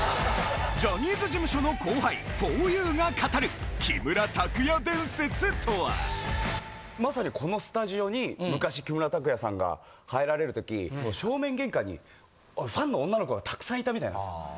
ジャニーズ事務所の後輩、ふぉゆが語る、木村拓哉伝説とまさにこのスタジオに昔、木村拓哉さんが入られるとき、正面玄関にファンの女の子がたくさんいたみたいなんですよ。